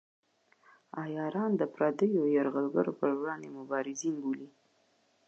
عیاران د پردیو یرغلګرو پر وړاندې مبارزین بولي.